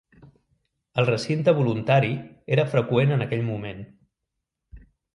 El recinte voluntari era freqüent en aquell moment.